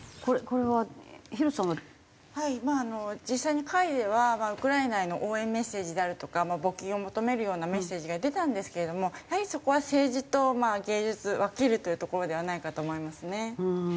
実際に会ではウクライナへの応援メッセージであるとか募金を求めるようなメッセージが出たんですけれどもやはりそこは政治と芸術分けるというところではないかと思いますね。